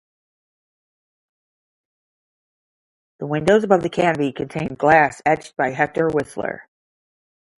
The windows above the canopy contain glass etched by Hector Whistler.